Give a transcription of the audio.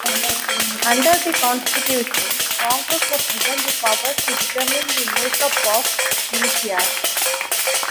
Under the Constitution, Congress was given the power to determine the makeup of militias.